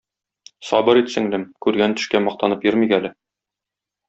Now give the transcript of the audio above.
Сабыр ит, сеңлем, күргән төшкә мактанып йөрмик әле.